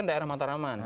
di daerah mataraman